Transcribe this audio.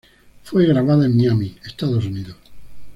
Fue grabada en Miami, Estados Unidos.